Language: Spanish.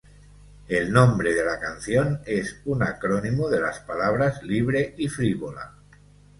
El nombre de la canción es un acrónimo de las palabras ‘libre’ y ‘frívola’.